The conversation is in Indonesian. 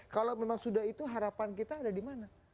kalau memang sudah itu harapan kita ada di mana